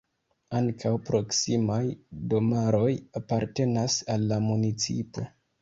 Ankaŭ proksimaj domaroj apartenas al la municipo.